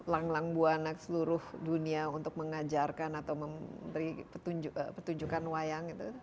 lang lang buana seluruh dunia untuk mengajarkan atau memberi petunjukan wayang itu